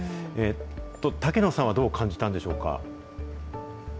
竹野さんはどう感じたんでしょうか。